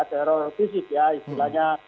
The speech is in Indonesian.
teror fisik ya istilahnya